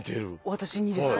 私にですか？